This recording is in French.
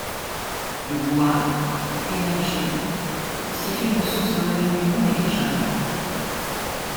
Le bois énergie constitue une source de revenus non négligeable.